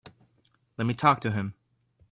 Let me talk to him.